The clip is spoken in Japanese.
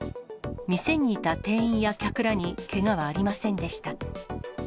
店にいた店員や客らにけがはありませんでした。